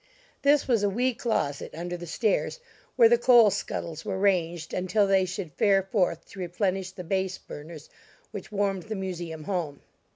This was a wee closet under the stairs, where the coal scuttles were ranged, until they should fare forth to replenish the "base burners" which warmed the Museum home.